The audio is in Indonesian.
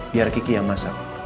biar kiki yang masak